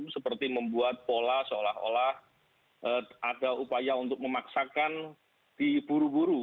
seperti membuat pola seolah olah ada upaya untuk memaksakan diburu buru